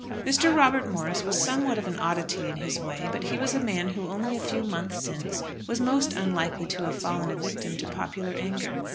Mr. Robert Morris was somewhat of an oddity in his way; but he was a man who only a few months since was most unlikely to have fallen a victim to popular anger.